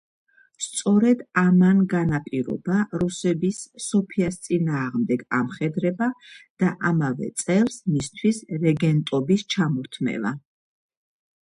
სწორედ ამან განაპირობა რუსების სოფიას წინააღმდეგ ამხედრება და ამავე წელს მისთვის რეგენტობის ჩამორთმევა.